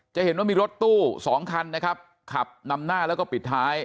จะเห็นว่ามีรถตู้สองคันนะครับขับนำหน้าแล้วก็ปิดท้าย